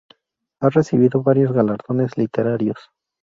Ha recibido varios galardones literarios.